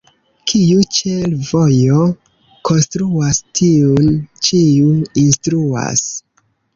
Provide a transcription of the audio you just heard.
Kiu ĉe l' vojo konstruas, tiun ĉiu instruas.